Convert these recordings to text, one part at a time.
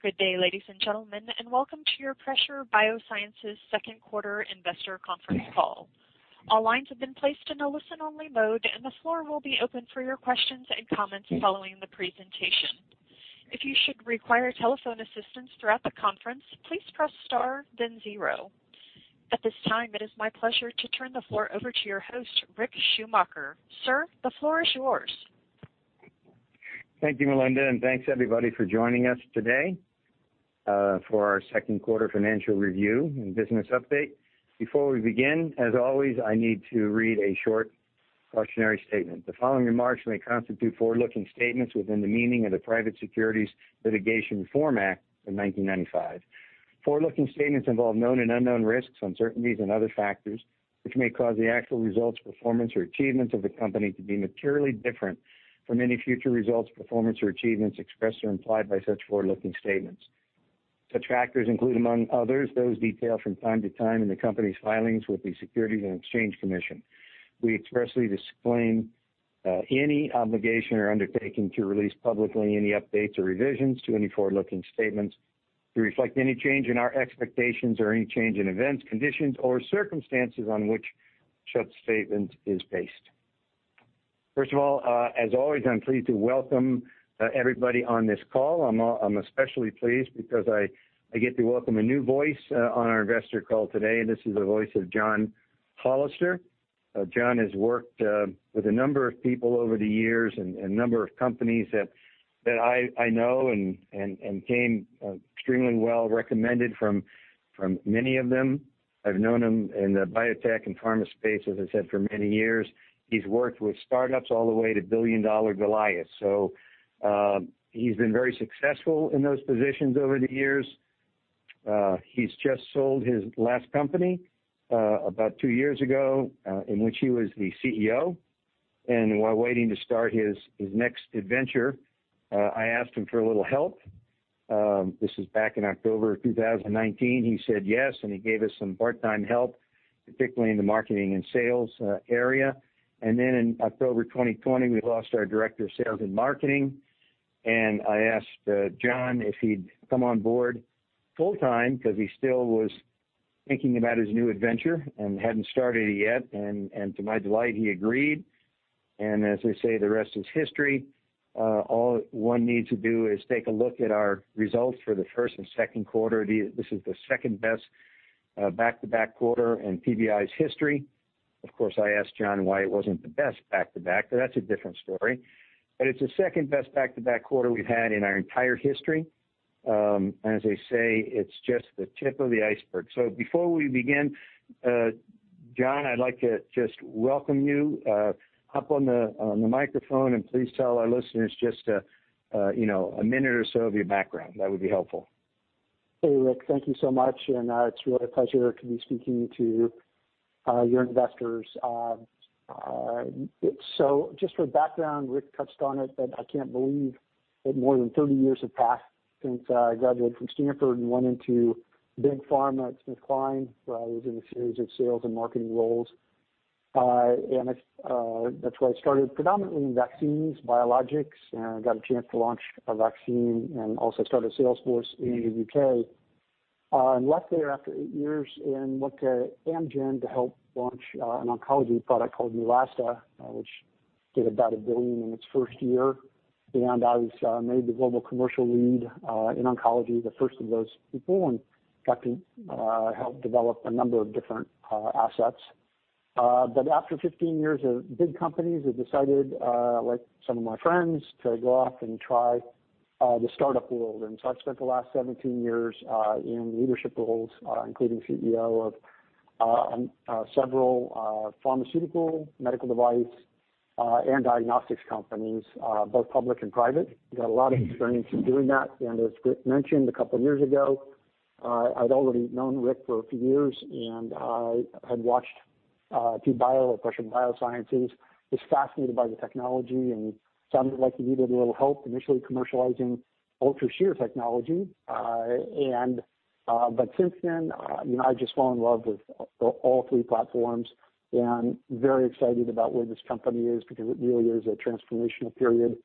Good day, ladies and gentlemen, and welcome to your Pressure BioSciences second quarter investor conference call. All lines have been placed in a listen-only mode, and the floor will be open for your questions and comments following the presentation. If you should require telephone assistance throughout the conference, please press star then zero. At this time, it is my pleasure to turn the floor over to your host, Richard Schumacher. Sir, the floor is yours. Thank you, Melinda, and thanks, everybody, for joining us today for our second quarter financial review and business update. Before we begin, as always, I need to read a short cautionary statement. The following remarks may constitute forward-looking statements within the meaning of the Private Securities Litigation Reform Act of 1995. Forward-looking statements involve known and unknown risks, uncertainties, and other factors which may cause the actual results, performance, or achievements of the company to be materially different from any future results, performance, or achievements expressed or implied by such forward-looking statements. Such factors include, among others, those detailed from time to time in the company's filings with the Securities and Exchange Commission. We expressly disclaim any obligation or undertaking to release publicly any updates or revisions to any forward-looking statements to reflect any change in our expectations or any change in events, conditions, or circumstances on which such statement is based. As always, I'm pleased to welcome everybody on this call. I'm especially pleased because I get to welcome a new voice on our investor call today. This is the voice of John Hollister. John has worked with a number of people over the years and a number of companies that I know and came extremely well recommended from many of them. I've known him in the biotech and pharma space, as I said, for many years. He's worked with startups all the way to billion-dollar Goliaths. He's been very successful in those positions over the years. He's just sold his last company about two years ago, in which he was the CEO. While waiting to start his next adventure, I asked him for a little help. This is back in October of 2019. He said yes, and he gave us some part-time help, particularly in the marketing and sales area. In October 2020, we lost our director of sales and marketing, and I asked John B. Hollister if he'd come on board full time because he still was thinking about his new adventure and hadn't started it yet. To my delight, he agreed. As they say, the rest is history. All one needs to do is take a look at our results for the first and second quarter. This is the second-best back-to-back quarter in PBI's history. Of course, I asked John why it wasn't the best back-to-back, but that's a different story. It's the second-best back-to-back quarter we've had in our entire history. As they say, it's just the tip of the iceberg. Before we begin, John, I'd like to just welcome you. Hop on the microphone and please tell our listeners just a minute or so of your background. That would be helpful. Hey, Rick, thank you so much. It's really a pleasure to be speaking to your investors. Just for background, Rick touched on it. I can't believe that more than 30 years have passed since I graduated from Stanford and went into big pharma at SmithKline, where I was in a series of sales and marketing roles. That's where I started, predominantly in vaccines, biologics, and got a chance to launch a vaccine and also start a sales force in the U.K. Left there after eight years and looked at Amgen to help launch an oncology product called Neulasta, which did about $1 billion in its first year. I was made the global commercial lead in oncology, the first of those people, and got to help develop a number of different assets. After 15 years of big companies, I decided, like some of my friends, to go off and try the startup world. I've spent the last 17 years in leadership roles, including CEO of several pharmaceutical, medical device, and diagnostics companies both public and private. Got a lot of experience in doing that. As Rick mentioned, a couple of years ago, I'd already known Rick for a few years, and I had watched PBIO or Pressure BioSciences, was fascinated by the technology, and sounded like you needed a little help initially commercializing UltraShear technology. Since then, I've just fallen in love with all three platforms and very excited about where this company is because it really is a transformational period.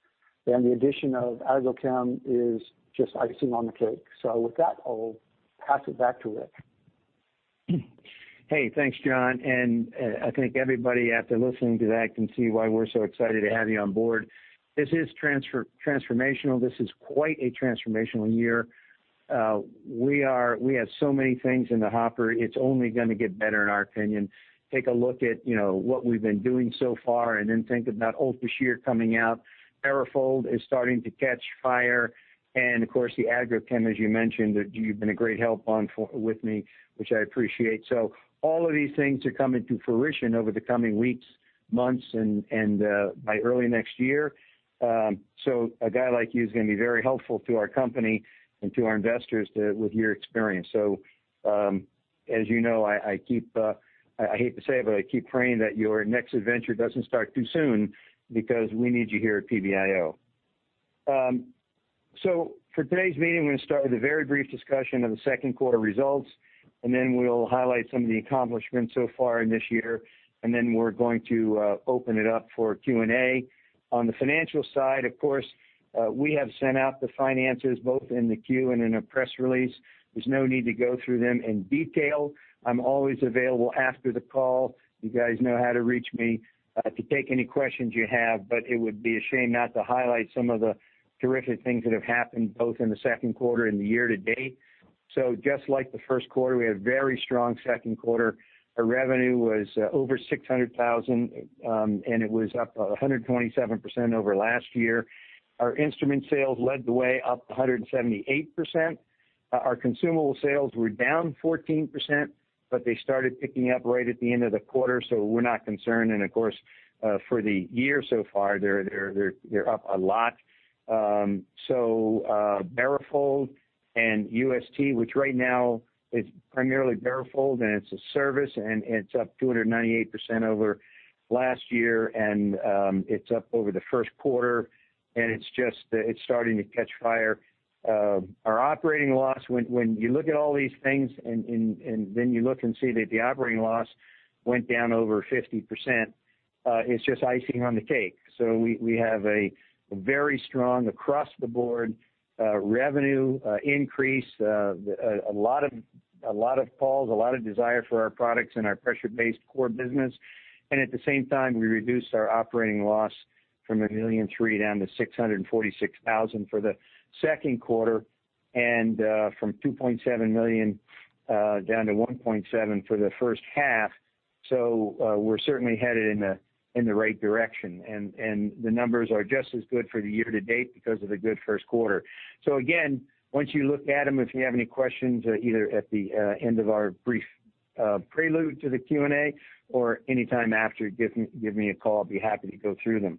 The addition of agrochem is just icing on the cake. With that, I'll pass it back to Rick. Hey, thanks, John, I think everybody after listening to that can see why we're so excited to have you on board. This is transformational. This is quite a transformational year. We have so many things in the hopper. It's only going to get better, in our opinion. Take a look at what we've been doing so far, then think about UltraShear coming out. BaroFold is starting to catch fire. Of course, the agrochem, as you mentioned, that you've been a great help on with me, which I appreciate. All of these things are coming to fruition over the coming weeks, months, and by early next year. A guy like you is going to be very helpful to our company and to our investors with your experience. As you know, I hate to say it, but I keep praying that your next adventure doesn't start too soon because we need you here at PBI. For today's meeting, I'm going to start with a very brief discussion of the second quarter results, and then we'll highlight some of the accomplishments so far in this year, and then we're going to open it up for Q&A. On the financial side, of course, we have sent out the finances both in the Q and in a press release. There's no need to go through them in detail. I'm always available after the call. You guys know how to reach me, to take any questions you have, but it would be a shame not to highlight some of the terrific things that have happened both in the second quarter and the year-to-date. Just like the first quarter, we had a very strong second quarter. Our revenue was over $600,000, and it was up 127% over last year. Our instrument sales led the way up 178%. Our consumable sales were down 14%, but they started picking up right at the end of the quarter, we're not concerned. Of course, for the year so far, they're up a lot. BaroFold and UST, which right now is primarily BaroFold and it's a service, and it's up 298% over last year, and it's up over the first quarter, and it's starting to catch fire. Our operating loss, when you look at all these things and then you look and see that the operating loss went down over 50%, is just icing on the cake. We have a very strong across-the-board revenue increase. A lot of calls, a lot of desire for our products and our pressure-based core business. At the same time, we reduced our operating loss from $1.3 million down to $646,000 for the second quarter, and from $2.7 million down to $1.7 for the first half. We're certainly headed in the right direction. The numbers are just as good for the year-to-date because of the good first quarter. Again, once you look at them, if you have any questions either at the end of our brief prelude to the Q&A or anytime after, give me a call. I'll be happy to go through them.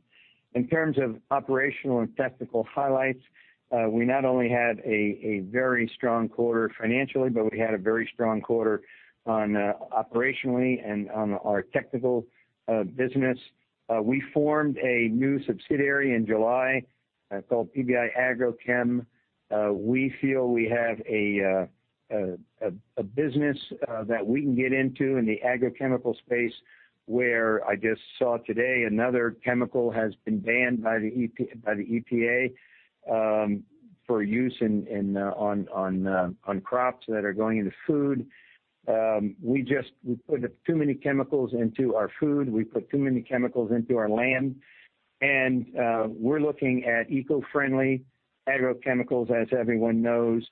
In terms of operational and technical highlights, we not only had a very strong quarter financially, but we had a very strong quarter operationally and on our technical business. We formed a new subsidiary in July, called PBI Agrochem. We feel we have a business that we can get into in the agrochemical space where I just saw today another chemical has been banned by the EPA for use on crops that are going into food. We put too many chemicals into our food. We put too many chemicals into our land. We're looking at eco-friendly agrochemicals. As everyone knows,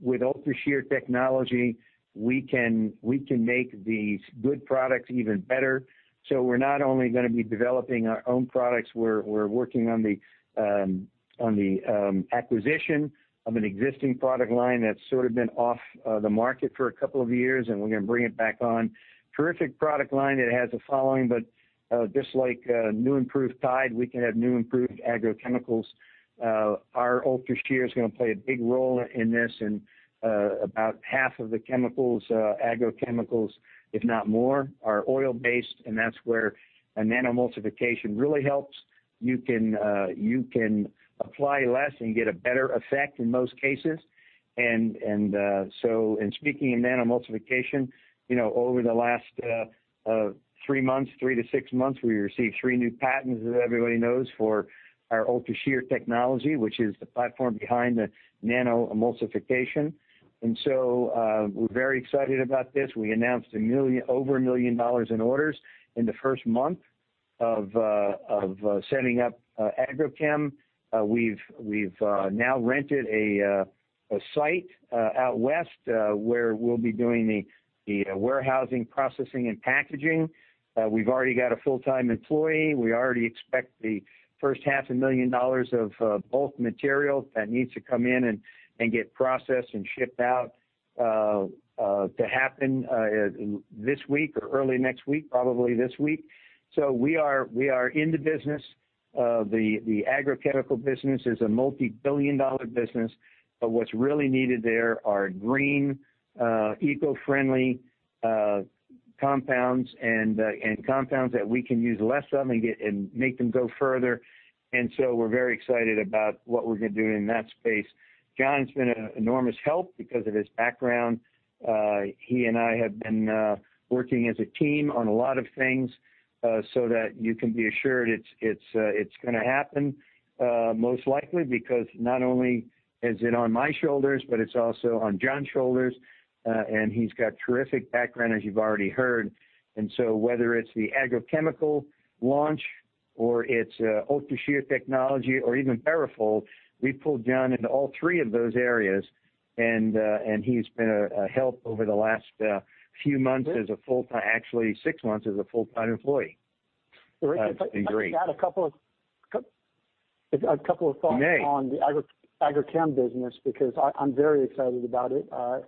with UltraShear technology, we can make these good products even better. We're not only going to be developing our own products, we're working on the acquisition of an existing product line that's sort of been off the market for a couple of years, and we're going to bring it back on. Terrific product line. It has a following, but just like new improved Tide, we can have new improved agrochemicals. Our UltraShear is going to play a big role in this, and about half of the agrochemicals, if not more, are oil-based, and that's where a nanoemulsification really helps. You can apply less and get a better effect in most cases. Speaking of nanoemulsification, over the last three to six months, we received three new patents, as everybody knows, for our UltraShear technology, which is the platform behind the nanoemulsification. We're very excited about this. We announced over $1 million in orders in the first month of setting up PBI agrochem. We've now rented a site out west, where we'll be doing the warehousing, processing, and packaging. We've already got a full-time employee. We already expect the first half a million dollars of bulk material that needs to come in and get processed and shipped out to happen this week or early next week, probably this week. We are in the business. The agrochemical business is a multi-billion-dollar business, but what's really needed there are green, eco-friendly compounds, and compounds that we can use less of and make them go further. We're very excited about what we're going to do in that space. John's been an enormous help because of his background. He and I have been working as a team on a lot of things so that you can be assured it's going to happen, most likely because not only is it on my shoulders, but it's also on John's shoulders. He's got terrific background, as you've already heard. Whether it's the agrochemical launch or it's UltraShear technology or even BaroFold, we pulled John into all three of those areas, and he's been a help over the last few months, actually six months, as a full-time employee. It's been great. Rick, if I could add a couple of thoughts. You may. on the agrochem business, because I'm very excited about it. I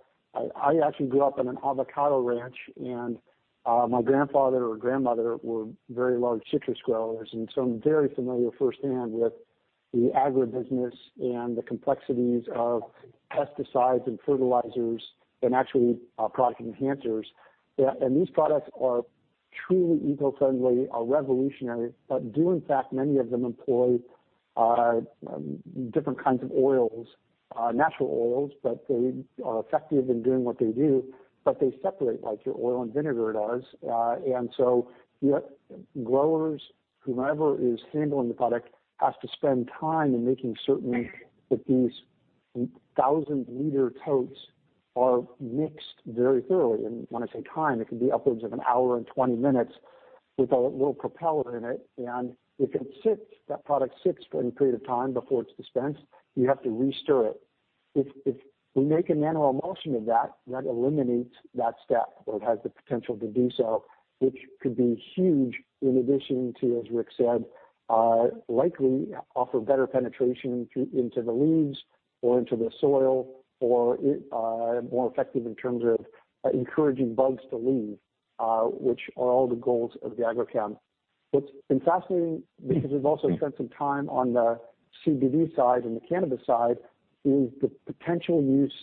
actually grew up on an avocado ranch, and my grandfather or grandmother were very large citrus growers. I'm very familiar firsthand with the agribusiness and the complexities of pesticides and fertilizers and actually product enhancers. These products are truly eco-friendly are revolutionary, but do, in fact, many of them employ different kinds of oils, natural oils, but they are effective in doing what they do, but they separate like your oil and vinegar does. The growers, whomever is handling the product, have to spend time in making certain that these 1,000-liter totes are mixed very thoroughly. When I say time, it can be upwards of an hour and 20 minutes with a little propeller in it. If that product sits for any period of time before it's dispensed, you have to re-stir it. If we make a nanoemulsion of that eliminates that step, or it has the potential to do so, which could be huge, in addition to, as Rick said, likely offer better penetration into the leaves or into the soil, or more effective in terms of encouraging bugs to leave, which are all the goals of the agrochem. What's been fascinating, because we've also spent some time on the CBD side and the cannabis side, is the potential use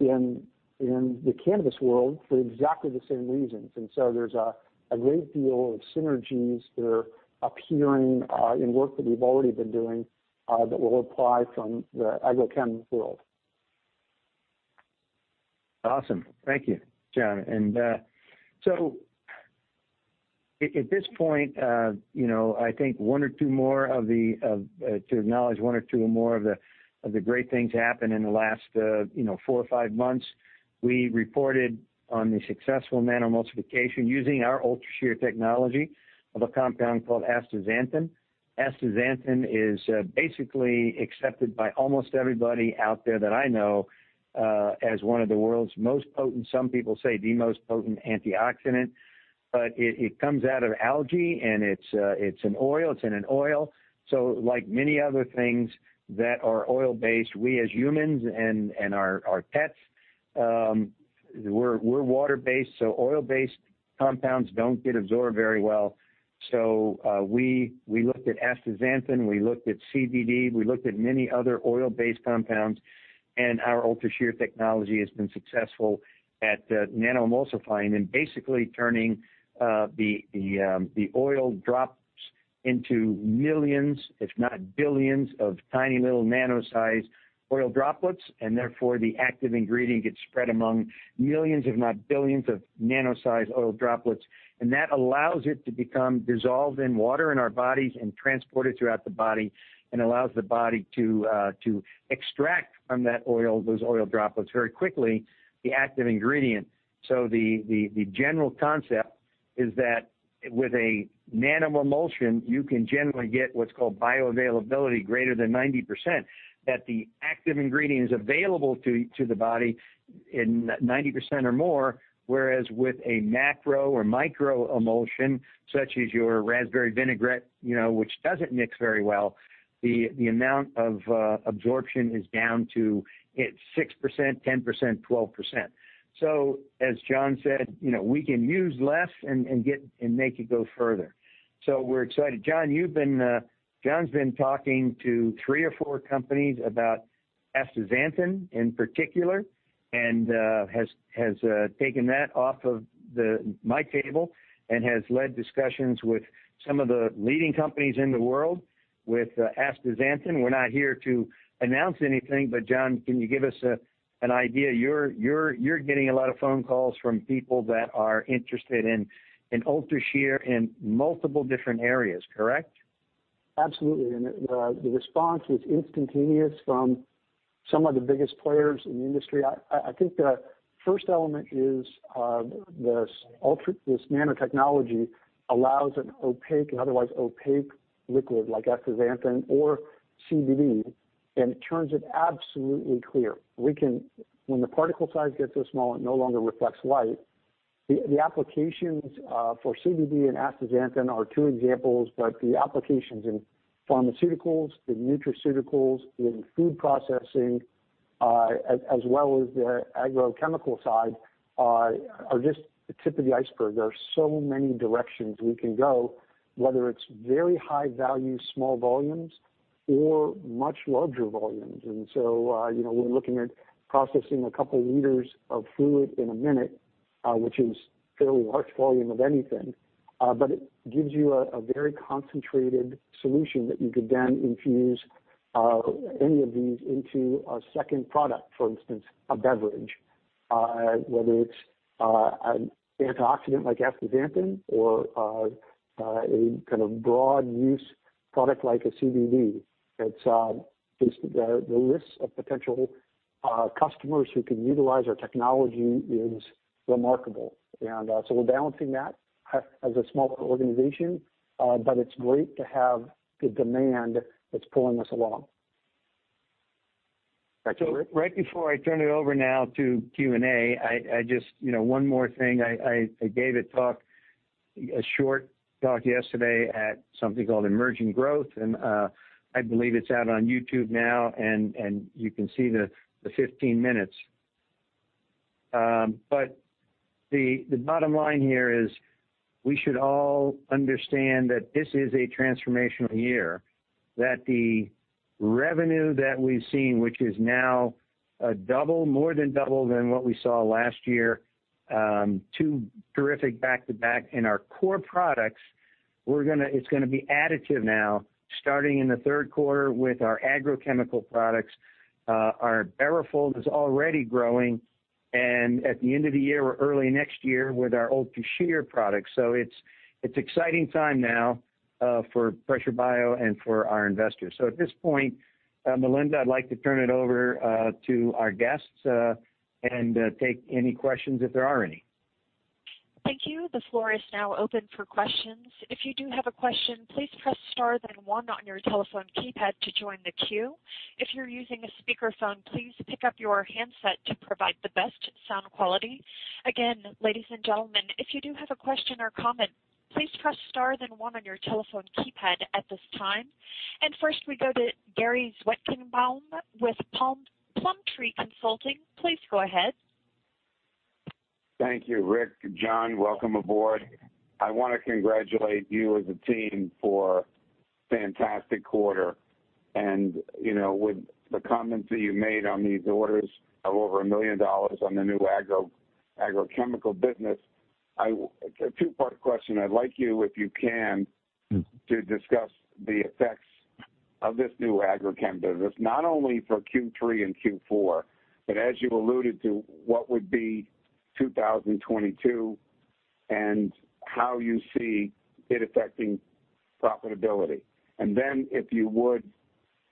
in the cannabis world for exactly the same reasons. There's a great deal of synergies that are appearing in work that we've already been doing that will apply from the agrochemicals world. Awesome. Thank you, John. At this point I think to acknowledge one or two more of the great things happen in the last four or five months. We reported on the successful nanoemulsification using our UltraShear technology of a compound called astaxanthin. Astaxanthin is basically accepted by almost everybody out there that I know as one of the world's most potent, some people say the most potent antioxidant. It comes out of algae and it's an oil, it's in an oil. Like many other things that are oil-based, we as humans and our pets, we're water-based, so oil-based compounds don't get absorbed very well. We looked at astaxanthin, we looked at CBD, we looked at many other oil-based compounds, Our UltraShear technology has been successful at nanoemulsifying and basically turning the oil drops into millions, if not billions, of tiny little nano-sized oil droplets, Therefore the active ingredient gets spread among millions, if not billions, of nano-sized oil droplets. That allows it to become dissolved in water in our bodies and transported throughout the body and allows the body to extract from that oil, those oil droplets very quickly, the active ingredient. The general concept is that with a nanoemulsion, you can generally get what is called bioavailability greater than 90%, that the active ingredient is available to the body in 90% or more, whereas with a macro or micro emulsion, such as your raspberry vinaigrette which doesn't mix very well, the amount of absorption is down to 6%, 10%, 12%. As John said, we can use less and make it go further. We're excited. John's been talking to three or four companies about astaxanthin in particular, and has taken that off of my table and has led discussions with some of the leading companies in the world with astaxanthin. We're not here to announce anything, but John, can you give us an idea? You're getting a lot of phone calls from people that are interested in UltraShear in multiple different areas, correct? Absolutely. The response is instantaneous from some of the biggest players in the industry. I think the first element is this nanotechnology allows an otherwise opaque liquid like astaxanthin or CBD, and it turns it absolutely clear. When the particle size gets this small, it no longer reflects light. The applications for CBD and astaxanthin are two examples, but the applications in pharmaceuticals, the nutraceuticals, in food processing, as well as the agrochemical side are just the tip of the iceberg. There are so many directions we can go, whether it's very high value, small volumes or much larger volumes. We're looking at processing a couple liters of fluid in a minute, which is a fairly large volume of anything. It gives you a very concentrated solution that you could then infuse any of these into a second product, for instance, a beverage, whether it's an antioxidant like astaxanthin or a kind of broad use product like a CBD. The list of potential customers who can utilize our technology is remarkable. We're balancing that as a smaller organization, but it's great to have the demand that's pulling us along. Back to you Rick. Rick before I turn it over now to Q&A, one more thing. I gave a short talk yesterday at something called Emerging Growth, and I believe it's out on YouTube now and you can see the 15 minutes. The bottom line here is we should all understand that this is a transformational year. That the revenue that we've seen, which is now more than double than what we saw last year, two terrific back to back in our core products, it's going to be additive now starting in the third quarter with our agrochemical products. Our BaroFold is already growing, and at the end of the year or early next year with our UltraShear products. It's exciting time now for Pressure Bio and for our investors. At this point, Melinda, I'd like to turn it over to our guests and take any questions if there are any. Thank you. The floor is now open for questions. If you do have a question, please press star then one on your telephone keypad to join the queue. If you're using a speakerphone, please pick up your handset to provide the best sound quality. Again, ladies and gentlemen, if you do have a question or comment, please press star then one on your telephone keypad at this time. First we go to Gary Zwetchkenbaum with Plum Tree Consulting. Please go ahead. Thank you, Rick. John, welcome aboard. I want to congratulate you as a team for fantastic quarter. With the comments that you made on these orders of over $1 million on the new agrochemical business, a two-part question. I'd like you, if you can, to discuss the effects of this new agrochem business, not only for Q3 and Q4, but as you alluded to, what would be 2022 and how you see it affecting profitability. If you would,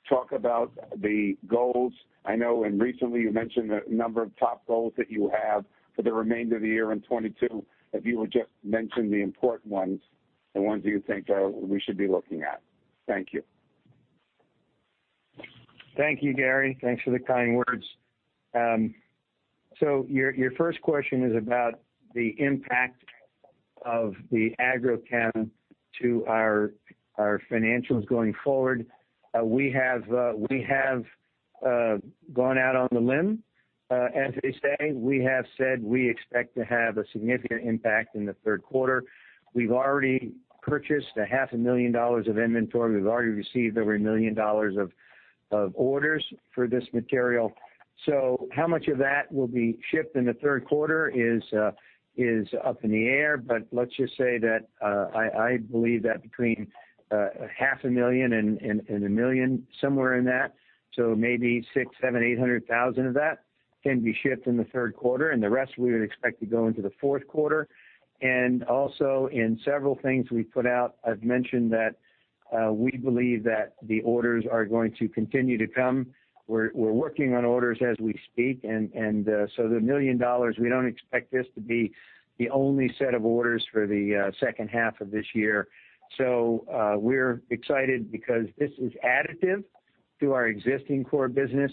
talk about the goals. I know, and recently you mentioned a number of top goals that you have for the remainder of the year and 2022. If you would just mention the important ones, the ones you think we should be looking at. Thank you. Thank you, Gary. Thanks for the kind words. Your first question is about the impact of the agrochem to our financials going forward. We have gone out on the limb, as they say. We have said we expect to have a significant impact in the third quarter. We've already purchased a half a million dollars of inventory. We've already received over $1 million of orders for this material. How much of that will be shipped in the third quarter is up in the air. Let's just say that I believe that between a half a million and $1 million, somewhere in that, maybe $600,000, $700,000, $800,000 of that can be shipped in the third quarter and the rest we would expect to go into the fourth quarter. Also in several things we put out, I've mentioned that we believe that the orders are going to continue to come. We're working on orders as we speak. The $1 million, we don't expect this to be the only set of orders for the second half of this year. We're excited because this is additive to our existing core business.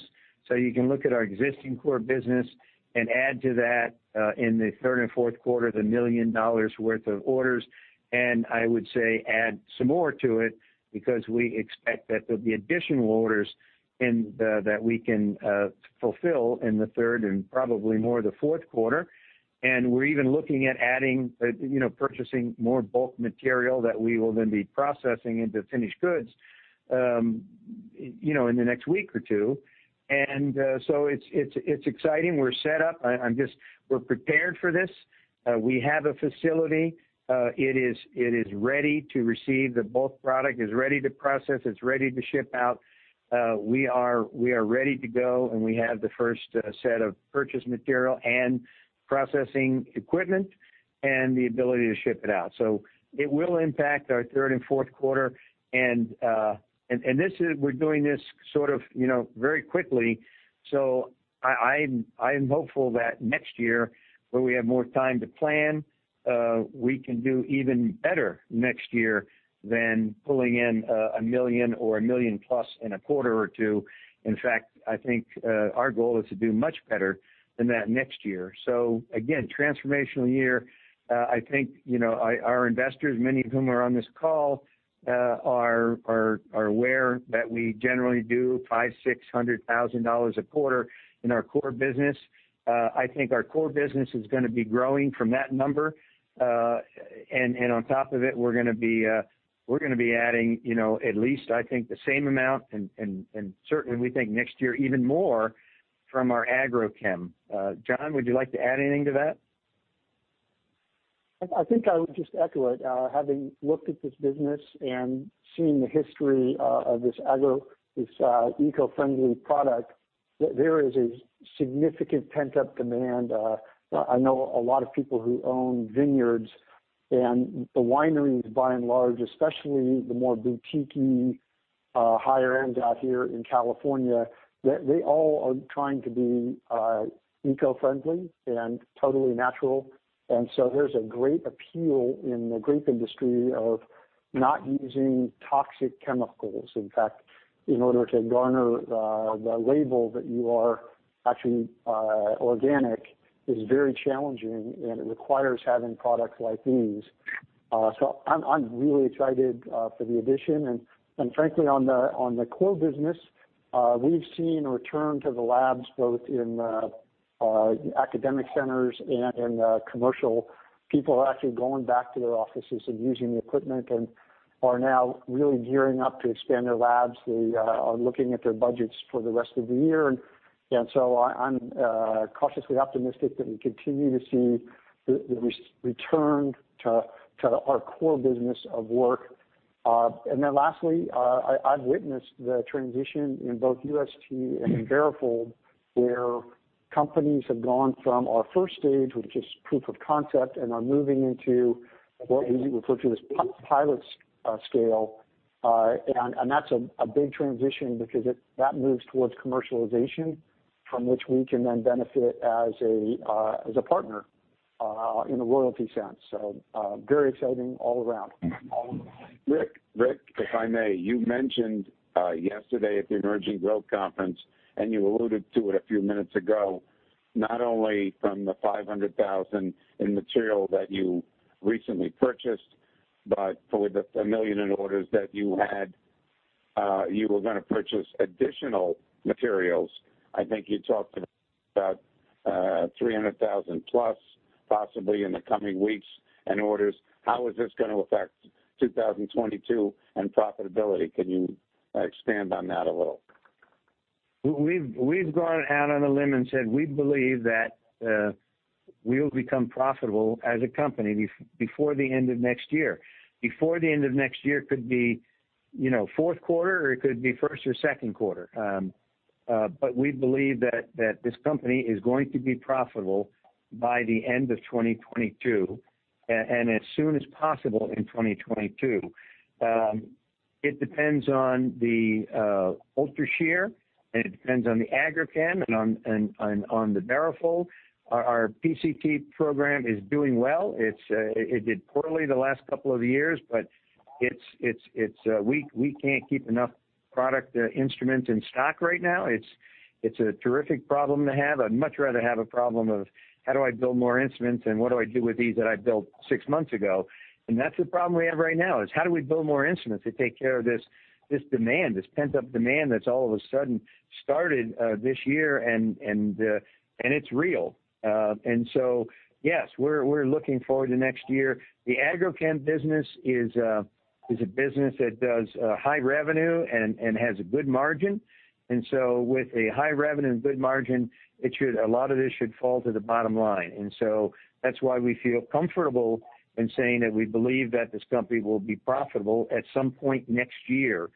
You can look at our existing core business and add to that in the third and fourth quarter, the $1 million worth of orders. I would say add some more to it because we expect that there'll be additional orders that we can fulfill in the third and probably more the fourth quarter. We're even looking at purchasing more bulk material that we will then be processing into finished goods in the next week or two. It's exciting. We're set up. We're prepared for this. We have a facility. It is ready to receive the bulk product, it's ready to process, it's ready to ship out. We are ready to go, and we have the first set of purchase material and processing equipment and the ability to ship it out. It will impact our third and fourth quarter. We're doing this sort of very quickly. I am hopeful that next year, where we have more time to plan, we can do even better next year than pulling in $1 million or $1 million plus in a quarter or two. In fact, I think our goal is to do much better than that next year. Again, transformational year. I think our investors, many of whom are on this call, are aware that we generally do $500,000, $600,000 a quarter in our core business. I think our core business is going to be growing from that number. On top of it, we're going to be adding at least, I think, the same amount and certainly we think next year even more from our agrochem. John, would you like to add anything to that? I think I would just echo it. Having looked at this business and seen the history of this eco-friendly product, that there is a significant pent-up demand. I know a lot of people who own vineyards and the wineries by and large, especially the more boutique-y, higher end out here in California, they all are trying to be eco-friendly and totally natural. There's a great appeal in the grape industry of not using toxic chemicals. In fact, in order to garner the label that you are actually organic is very challenging, and it requires having products like these. I'm really excited for the addition. Frankly, on the core business, we've seen a return to the labs both in academic centers and commercial people are actually going back to their offices and using the equipment and are now really gearing up to expand their labs. They are looking at their budgets for the rest of the year. I'm cautiously optimistic that we continue to see the return to our core business of work. Lastly, I've witnessed the transition in both UST and in BaroFold, where companies have gone from our first stage, which is proof of concept, and are moving into what we refer to as pilot scale. That's a big transition because that moves towards commercialization, from which we can then benefit as a partner in a royalty sense. Very exciting all around. Richard Schumacher, if I may, you mentioned yesterday at the Emerging Growth Conference, and you alluded to it a few minutes ago, not only from the $500,000 in material that you recently purchased, but for the $1 million in orders that you had, you were going to purchase additional materials. I think you talked about $300,000-plus possibly in the coming weeks in orders. How is this going to affect 2022 and profitability? Can you expand on that a little? We've gone out on a limb and said we believe that we'll become profitable as a company before the end of next year. Before the end of next year could be fourth quarter or it could be first or second quarter. We believe that this company is going to be profitable by the end of 2022 and as soon as possible in 2022. It depends on the UltraShear and it depends on the agrochem and on the BaroFold. Our PCT program is doing well. It did poorly the last couple of years. We can't keep enough product instruments in stock right now. It's a terrific problem to have. I'd much rather have a problem of how do I build more instruments and what do I do with these that I built six months ago? That's the problem we have right now is how do we build more instruments to take care of this demand, this pent-up demand that's all of a sudden started this year and it's real. Yes, we're looking forward to next year. The agrochem business is a business that does high revenue and has a good margin. With a high revenue and good margin, a lot of this should fall to the bottom line. That's why we feel comfortable in saying that we believe that this company will be profitable at some point next year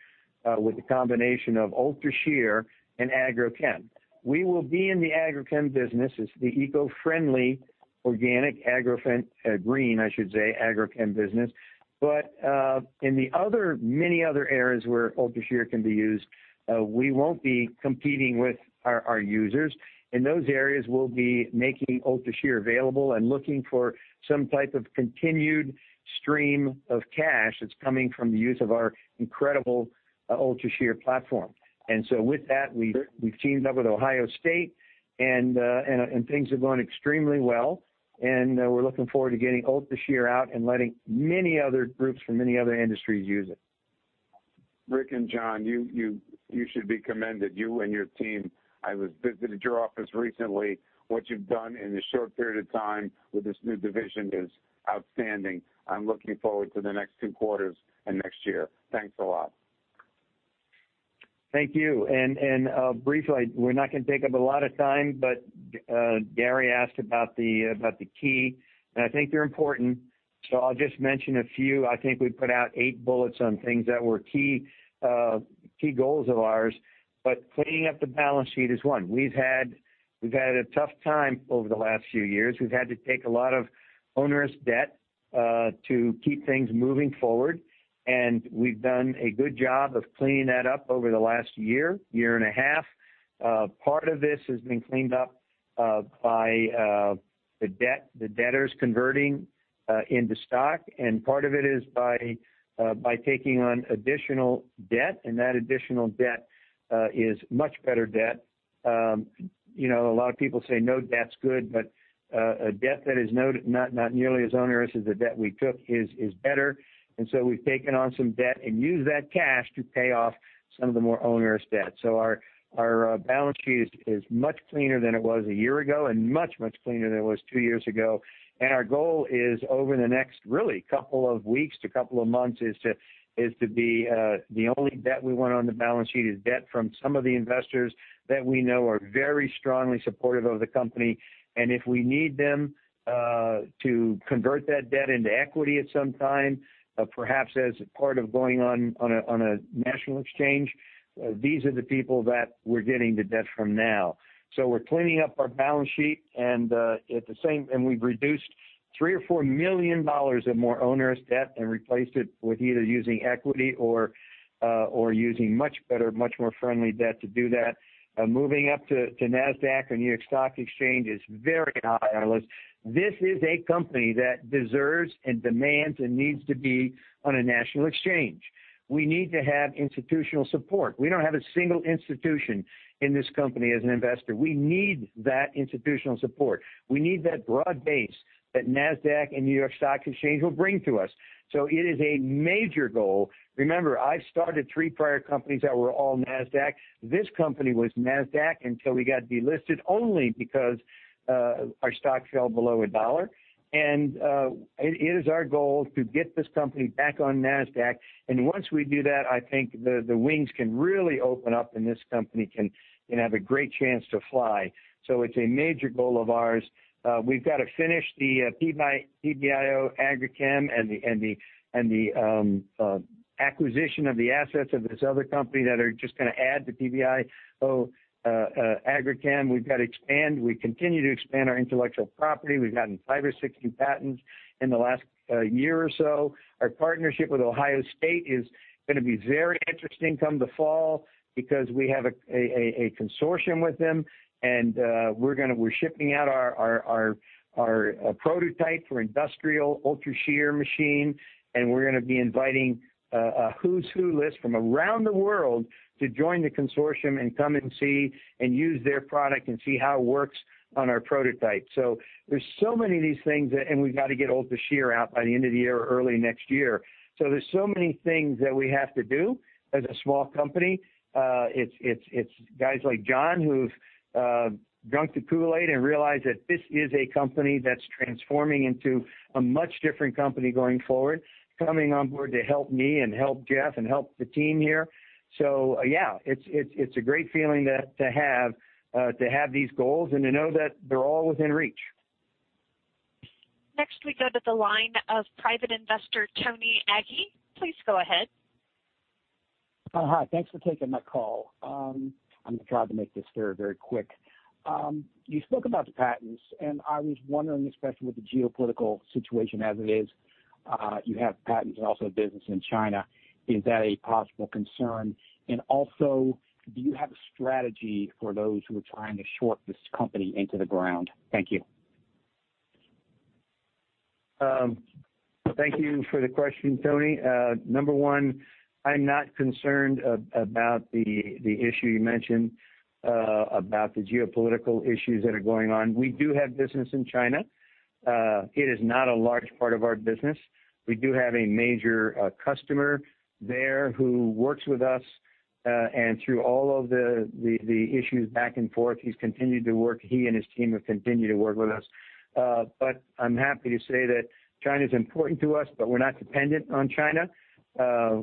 with the combination of UltraShear and agrochem. We will be in the agrochem business. It's the eco-friendly organic agrochem, green, I should say, agrochem business. In the many other areas where UltraShear can be used, we won't be competing with our users. In those areas, we'll be making UltraShear available and looking for some type of continued stream of cash that's coming from the use of our incredible UltraShear platform. With that, we've teamed up with Ohio State, and things are going extremely well, and we're looking forward to getting UltraShear out and letting many other groups from many other industries use it. Rick and John, you should be commended, you and your team. I visited your office recently. What you've done in this short period of time with this new division is outstanding. I'm looking forward to the next two quarters and next year. Thanks a lot. Thank you. Briefly, we're not going to take up a lot of time, but Gary asked about the key, and I think they're important. I'll just mention a few. I think we put out eight bullets on things that were key goals of ours. Cleaning up the balance sheet is one. We've had a tough time over the last few years. We've had to take a lot of onerous debt to keep things moving forward, and we've done a good job of cleaning that up over the last year, one and a half. Part of this has been cleaned up by the debtors converting into stock, and part of it is by taking on additional debt, and that additional debt is much better debt. A lot of people say no debt's good, but a debt that is not nearly as onerous as the debt we took is better. We've taken on some debt and used that cash to pay off some of the more onerous debt. Our balance sheet is much cleaner than it was a year ago and much, much cleaner than it was two years ago. Our goal is over the next really couple of weeks to couple of months is to the only debt we want on the balance sheet is debt from some of the investors that we know are very strongly supportive of the company. If we need them to convert that debt into equity at some time, perhaps as a part of going on a national exchange, these are the people that we're getting the debt from now. We're cleaning up our balance sheet, and we've reduced. $3 million or $4 million of more onerous debt and replaced it with either using equity or using much better, much more friendly debt to do that. Moving up to Nasdaq or New York Stock Exchange is very high on our list. This is a company that deserves and demands and needs to be on a national exchange. We need to have institutional support. We don't have a single institution in this company as an investor. We need that institutional support. We need that broad base that Nasdaq and New York Stock Exchange will bring to us. It is a major goal. Remember, I've started three prior companies that were all Nasdaq. This company was Nasdaq until we got delisted only because our stock fell below $1. It is our goal to get this company back on Nasdaq. Once we do that, I think the wings can really open up, and this company can have a great chance to fly. It's a major goal of ours. We've got to finish the PBI agrochem and the acquisition of the assets of this other company that are just going to add to PBI agrochem. We've got to expand. We continue to expand our intellectual property. We've gotten five or six new patents in the last year or so. Our partnership with Ohio State is going to be very interesting come the fall because we have a consortium with them, and we're shipping out our prototype for industrial UltraShear machine, and we're going to be inviting a who's who list from around the world to join the consortium and come and see and use their product and see how it works on our prototype. There's so many of these things, and we've got to get UltraShear out by the end of the year or early next year. There's so many things that we have to do as a small company. It's guys like John, who've drunk the Kool-Aid and realized that this is a company that's transforming into a much different company going forward, coming on board to help me and help Jeff and help the team here. Yeah, it's a great feeling to have these goals and to know that they're all within reach. Next, we go to the line of private investor Tony Aggie. Please go ahead. Hi. Thanks for taking my call. I'm going to try to make this very, very quick. You spoke about the patents, and I was wondering, especially with the geopolitical situation as it is, you have patents and also a business in China, is that a possible concern? Also, do you have a strategy for those who are trying to short this company into the ground? Thank you. Thank you for the question, Tony. Number one, I'm not concerned about the issue you mentioned about the geopolitical issues that are going on. We do have business in China. It is not a large part of our business. We do have a major customer there who works with us, and through all of the issues back and forth, he's continued to work. He and his team have continued to work with us. I'm happy to say that China's important to us, but we're not dependent on China.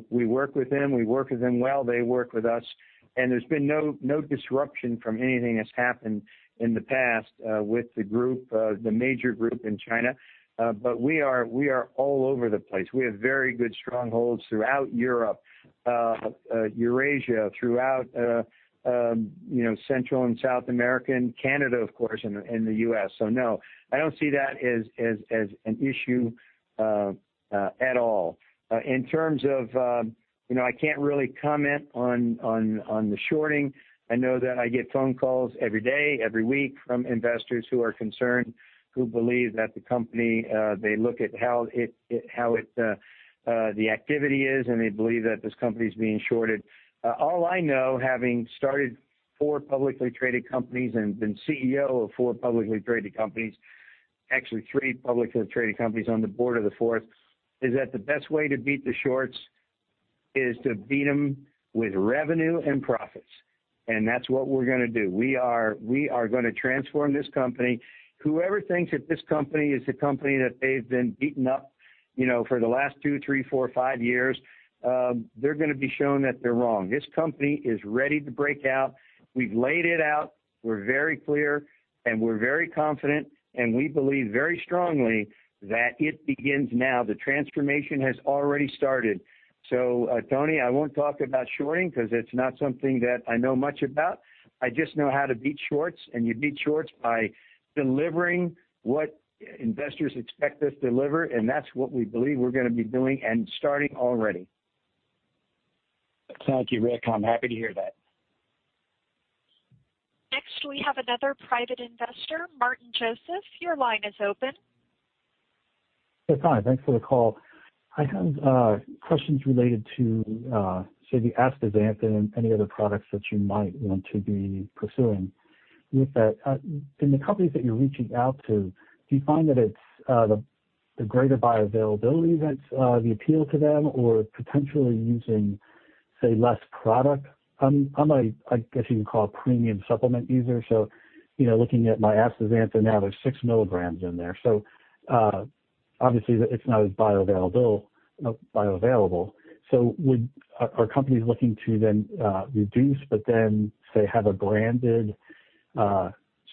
We work with them, we work with them well. They work with us, and there's been no disruption from anything that's happened in the past, with the major group in China. We are all over the place. We have very good strongholds throughout Europe, Eurasia, throughout Central and South America, and Canada, of course, and the U.S. No, I don't see that as an issue at all. I can't really comment on the shorting. I know that I get phone calls every day, every week from investors who are concerned, who believe that the company, they look at how the activity is, and they believe that this company is being shorted. All I know, having started four publicly traded companies and been CEO of four publicly traded companies, actually three publicly traded companies, on the board of the fourth, is that the best way to beat the shorts is to beat them with revenue and profits. That's what we're going to do. We are going to transform this company. Whoever thinks that this company is a company that they've been beaten up for the last two, three, four, five years, they're going to be shown that they're wrong. This company is ready to break out. We've laid it out. We're very clear, and we're very confident, and we believe very strongly that it begins now. The transformation has already started. Tony, I won't talk about shorting because it's not something that I know much about. I just know how to beat shorts, and you beat shorts by delivering what investors expect us to deliver, and that's what we believe we're going to be doing and starting already. Thank you, Rick. I'm happy to hear that. Next, we have another private investor, Martin Joseph. Your line is open. Yes. Hi. Thanks for the call. I have questions related to, say, the astaxanthin and any other products that you might want to be pursuing with that. In the companies that you're reaching out to, do you find that it's the greater bioavailability that's the appeal to them or potentially using, say, less product? I guess you can call a premium supplement user. Looking at my astaxanthin now, there's 6 mg in there, so obviously it's not as bioavailable. Are companies looking to then reduce but then, say, have a branded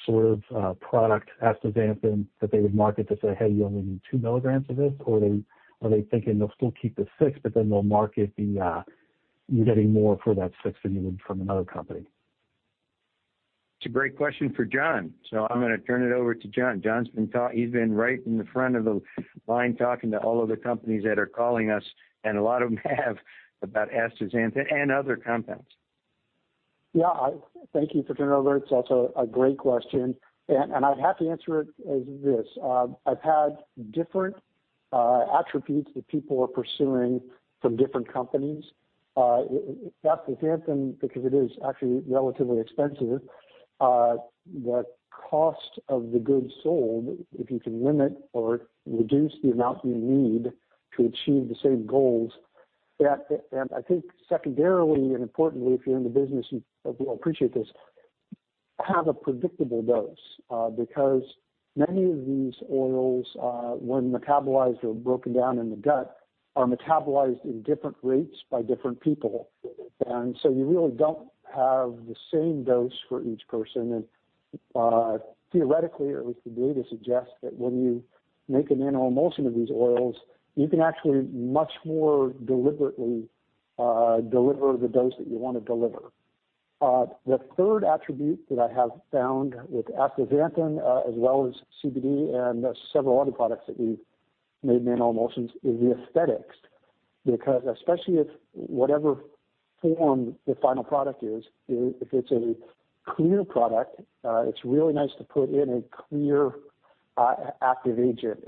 sort of product astaxanthin that they would market to say, "Hey, you only need 2 mg of this." Are they thinking they'll still keep the six, but then they'll market the, you're getting more for that six than you would from another company? It's a great question for John, so I'm going to turn it over to John. John's been right in the front of the line talking to all of the companies that are calling us, and a lot of them have, about astaxanthins and other compounds. Yeah. Thank you for turning it over. It's also a great question. I'd have to answer it as this. I've had different attributes that people are pursuing from different companies. Astaxanthin, because it is actually relatively expensive, the cost of the goods sold, if you can limit or reduce the amount you need to achieve the same goals, and I think secondarily and importantly, if you're in the business, you will appreciate this, have a predictable dose. Many of these oils, when metabolized or broken down in the gut, are metabolized in different rates by different people. You really don't have the same dose for each person. Theoretically, or at least the data suggests, that when you make a nanoemulsion of these oils, you can actually much more deliberately deliver the dose that you want to deliver. The third attribute that I have found with astaxanthin, as well as CBD and several other products that we've made nanoemulsions, is the aesthetics. Because especially if whatever form the final product is, if it's a clear product, it's really nice to put in a clear, active agent.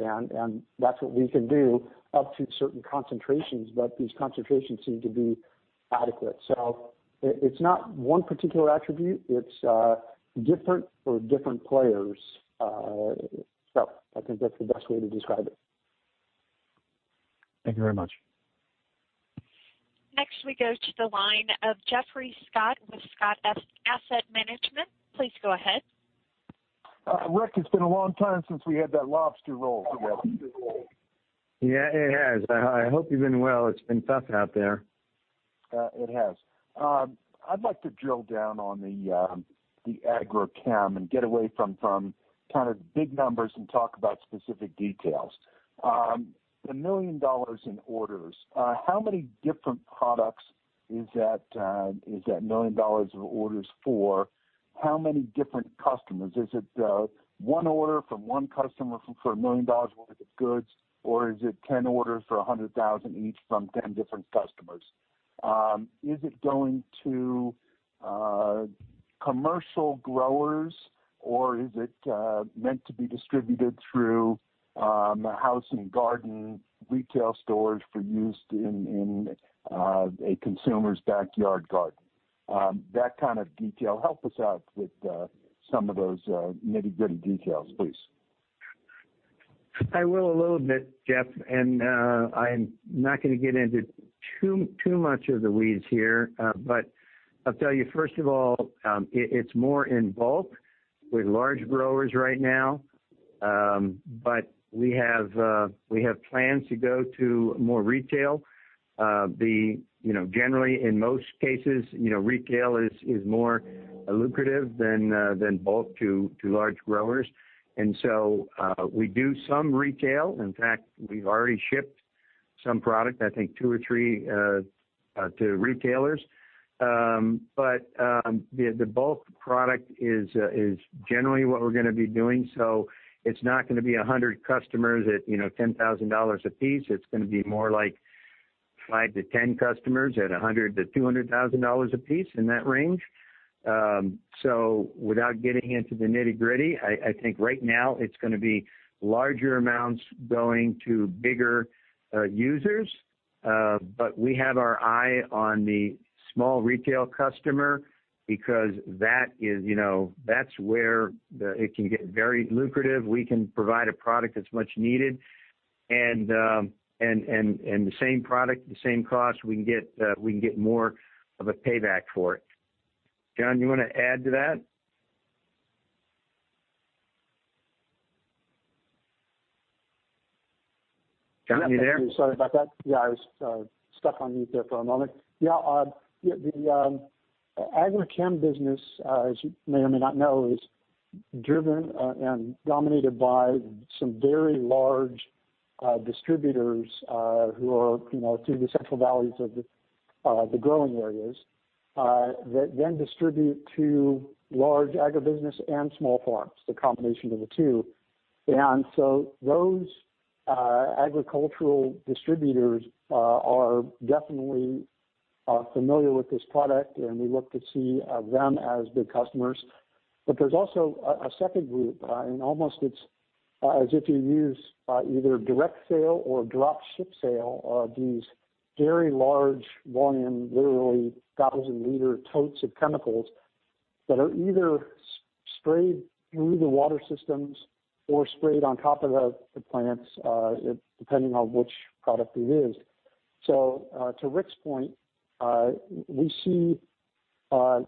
That's what we can do up to certain concentrations, but these concentrations seem to be adequate. It's not one particular attribute. It's different for different players. I think that's the best way to describe it. Thank you very much. Next, we go to the line of Geoffrey Scott with Scott Asset Management. Please go ahead. Rick, it's been a long time since we had that lobster roll together. Yeah, it has. I hope you've been well. It's been tough out there. It has. I'd like to drill down on the agrochem and get away from big numbers and talk about specific details. The $1 million in orders, how many different products is that $1 million of orders for how many different customers? Is it one order from one customer for $1 million worth of goods, or is it 10 orders for $100,000 each from 10 different customers? Is it going to commercial growers, or is it meant to be distributed through house and garden retail stores for use in a consumer's backyard garden? That kind of detail. Help us out with some of those nitty-gritty details, please. I will a little bit, Jeff. I'm not going to get into too much of the weeds here. I'll tell you, first of all, it's more in bulk with large growers right now. We have plans to go to more retail. Generally, in most cases, retail is more lucrative than bulk to large growers. We do some retail. In fact, we've already shipped some product, I think two or three, to retailers. The bulk product is generally what we're going to be doing. It's not going to be 100 customers at $10,000 a piece. It's going to be more like 5-10 customers at $100,000-$200,000 a piece, in that range. Without getting into the nitty-gritty, I think right now it's going to be larger amounts going to bigger users. We have our eye on the small retail customer, because that's where it can get very lucrative. We can provide a product that's much needed, and the same product, the same cost, we can get more of a payback for it. John, you want to add to that? John, are you there? Sorry about that. Yeah, I was stuck on mute there for a moment. Yeah, the agrochem business, as you may or may not know, is driven and dominated by some very large distributors who are to the central valleys of the growing areas, that then distribute to large agribusiness and small farms, the combination of the two. Those agricultural distributors are definitely familiar with this product, and we look to see them as good customers. There's also a second group, and almost it's as if you use either direct sale or drop ship sale of these very large volume, literally 1,000-liter totes of chemicals that are either sprayed through the water systems or sprayed on top of the plants, depending on which product it is. To Rick's point, we see a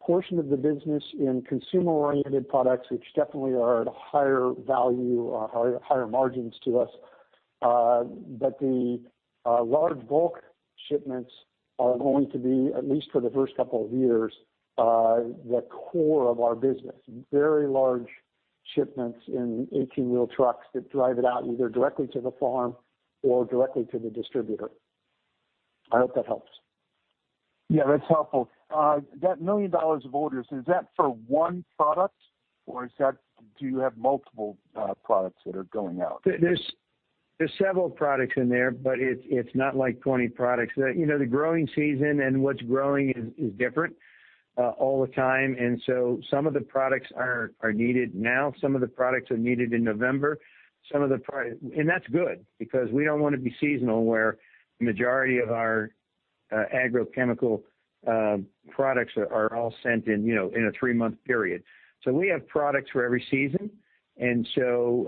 portion of the business in consumer-oriented products, which definitely are at a higher value or higher margins to us. The large bulk shipments are going to be, at least for the first couple of years, the core of our business. Very large shipments in 18-wheel trucks that drive it out either directly to the farm or directly to the distributor. I hope that helps. Yeah, that's helpful. That $1 million of orders, is that for one product, or do you have multiple products that are going out? There's several products in there. It's not like 20 products. The growing season and what's growing is different all the time. Some of the products are needed now, some of the products are needed in November. That's good, because we don't want to be seasonal, where the majority of our agrochemical products are all sent in a three-month period. We have products for every season. You'll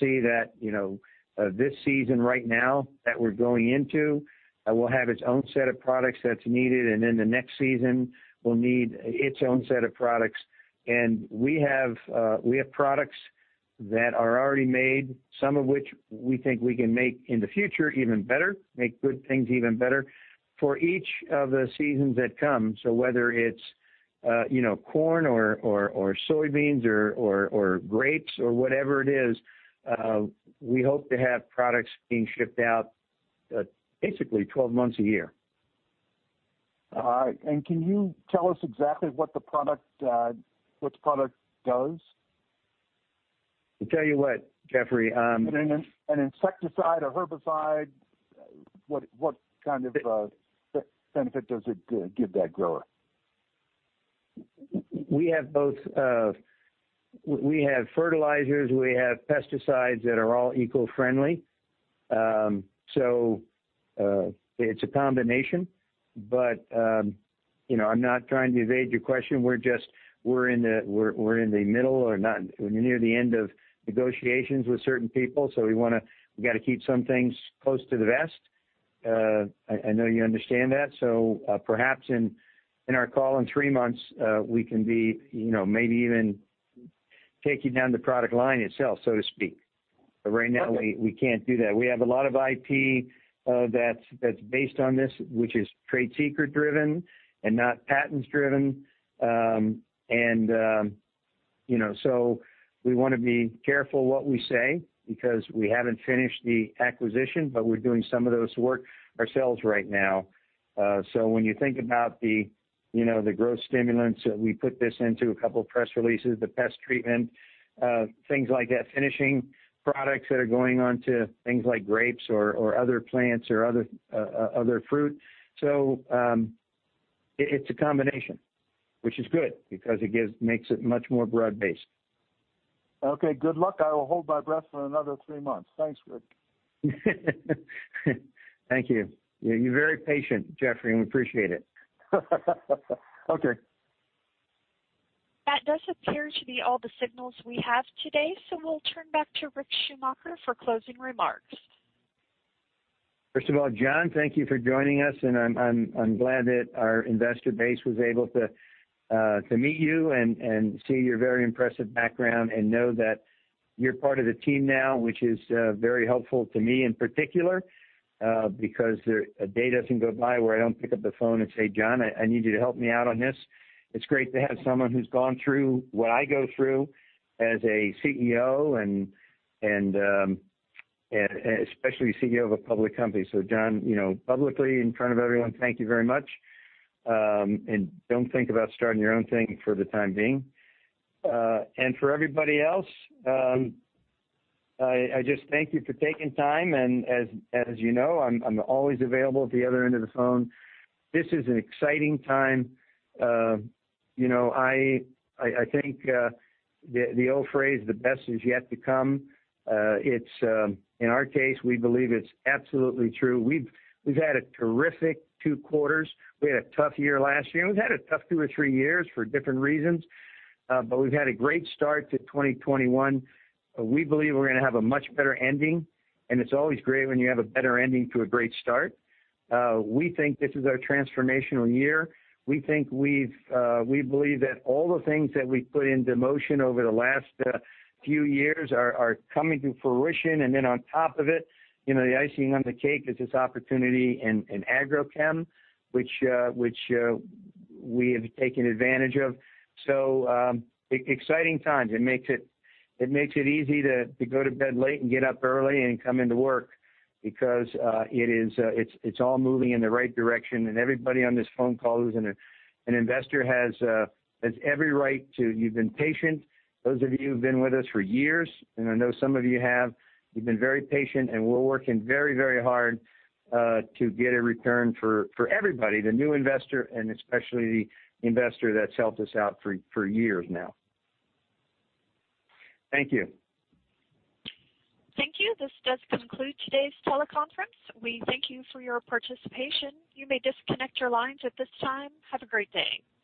see that this season right now that we're going into, will have its own set of products that's needed. The next season will need its own set of products. We have products that are already made, some of which we think we can make in the future even better, make good things even better, for each of the seasons that come. Whether it's corn or soybeans or grapes or whatever it is, we hope to have products being shipped out basically 12 months a year. All right. Can you tell us exactly what the product does? I'll tell you what, Geoffrey. An insecticide, a herbicide, what kind of benefit does it give that grower? We have fertilizers, we have pesticides that are all eco-friendly. It's a combination. I'm not trying to evade your question. We're in the middle or near the end of negotiations with certain people, so we've got to keep some things close to the vest. I know you understand that. Perhaps in our call in three months, we can be maybe even taking down the product line itself, so to speak. Right now, we can't do that. We have a lot of IP that's based on this, which is trade secret-driven and not patents-driven. We want to be careful what we say, because we haven't finished the acquisition, but we're doing some of those work ourselves right now. When you think about the growth stimulants that we put this into, a couple of press releases, the pest treatment, things like that, finishing products that are going on to things like grapes or other plants or other fruit. It's a combination, which is good, because it makes it much more broad-based. Okay, good luck. I will hold my breath for another three months. Thanks, Rick. Thank you. You're very patient, Geoffrey, and we appreciate it. Okay. That does appear to be all the signals we have today. We'll turn back to Richard Schumacher for closing remarks. First of all, John, thank you for joining us, and I'm glad that our investor base was able to meet you and see your very impressive background and know that you're part of the team now, which is very helpful to me in particular, because a day doesn't go by where I don't pick up the phone and say, "John, I need you to help me out on this." It's great to have someone who's gone through what I go through as a CEO and especially CEO of a public company. John, publicly, in front of everyone, thank you very much. Don't think about starting your own thing for the time being. For everybody else, I just thank you for taking time, and as you know, I'm always available at the other end of the phone. This is an exciting time. I think the old phrase, "The best is yet to come," in our case, we believe it's absolutely true. We've had a terrific two quarters. We had a tough year last year, and we've had a tough two or three years for different reasons, but we've had a great start to 2021. We believe we're going to have a much better ending, and it's always great when you have a better ending to a great start. We think this is our transformational year. We believe that all the things that we've put into motion over the last few years are coming to fruition, and then on top of it, the icing on the cake is this opportunity in agrochem, which we have taken advantage of. Exciting times. It makes it easy to go to bed late and get up early and come into work because it's all moving in the right direction and everybody on this phone call who's an investor has every right to. You've been patient. Those of you who've been with us for years, and I know some of you have, you've been very patient, and we're working very hard to get a return for everybody, the new investor, and especially the investor that's helped us out for years now. Thank you. Thank you. This does conclude today's teleconference. We thank you for your participation. You may disconnect your lines at this time. Have a great day.